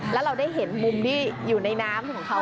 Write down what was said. แล้วเราได้เห็นมุมที่อยู่ในน้ำของเขา